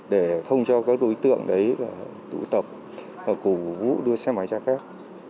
để không cho các đối tượng đấy tụ tập và cổ vũ đua xe máy trái phép